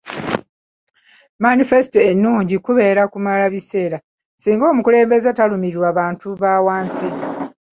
Manifesito ennungi kubeera kumala biseera singa omukulembeze talumirirwa bantu ba wansi.